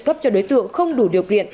cấp cho đối tượng không đủ điều kiện